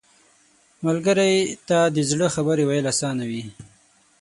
ملګری ته د زړه خبرې ویل اسانه وي